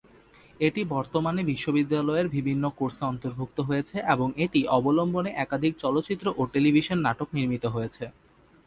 এটি বর্তমানে বিশ্ববিদ্যালয়ের বিভিন্ন কোর্সে অন্তর্ভুক্ত হয়েছে এবং এটি অবলম্বনে একাধিক চলচ্চিত্র ও টেলিভিশন নাটক নির্মিত হয়েছে।